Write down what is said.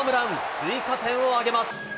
追加点を挙げます。